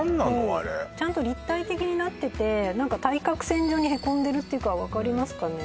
あれちゃんと立体的になってて対角線上にへこんでるっていうか分かりますかね？